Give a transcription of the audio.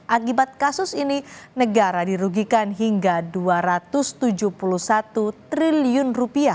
akibat kasus ini negara dirugikan hingga rp dua ratus tujuh puluh satu triliun